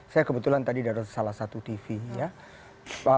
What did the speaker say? saya kebetulan tadi dari salah satu tv ya